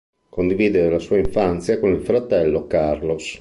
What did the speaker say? Condivise la sua infanzia con suo fratello Carlos.